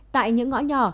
tại những ngõ nhỏ